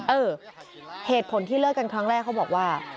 เออเหตุผลที่เลิกกันครั้งแรกเขาบอกว่า